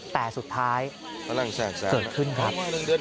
แต่สุดท้ายเกิดขึ้นครับ